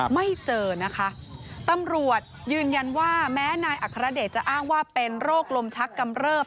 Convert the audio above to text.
ไม่เจอนะคะตำรวจยืนยันว่าแม้นายอัครเดชจะอ้างว่าเป็นโรคลมชักกำเริบ